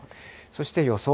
そして予想